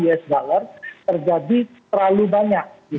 usd terjadi terlalu banyak